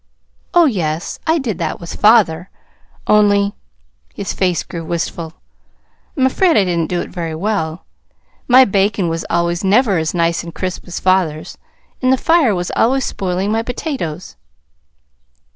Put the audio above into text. "Oh, yes, I did that with father, only" his face grew wistful "I'm afraid I didn't do it very well. My bacon was never as nice and crisp as father's, and the fire was always spoiling my potatoes."